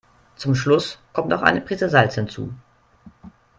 Zum Schluss kommt noch eine Priese Salz hinzu.